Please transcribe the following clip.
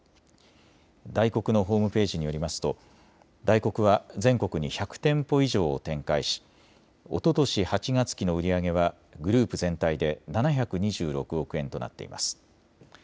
ダイコクのホームページによりますとダイコクは全国に１００店舗以上を展開しおととし８月期の売り上げはグループ全体で７２６億円となっています。